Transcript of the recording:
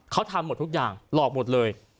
เขาทำหมดทุกอย่างหลอกหมดเลย